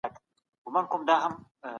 زړې ژبې مړې دي.